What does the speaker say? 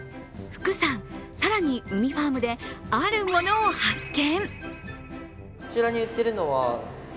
福さん、更にうみファームであるものを発見。